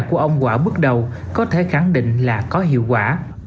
của ông quả bước đầu có thể khẳng định là có hiệu quả